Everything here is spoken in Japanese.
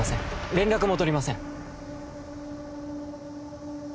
連絡も取りません